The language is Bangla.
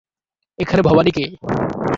এখানে ভবানী কে?